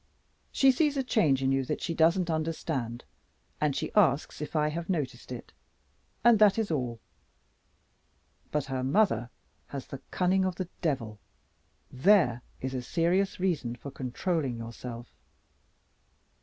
She sees a change in you that she doesn't understand she asks if I have noticed it and that is all. But her mother has the cunning of the devil. There is a serious reason for controlling yourself."